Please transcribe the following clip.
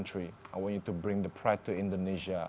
saya ingin kamu membawa kemahiran ke indonesia